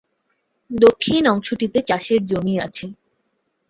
দক্ষিণ অংশটিতে চাষের জমি আছে।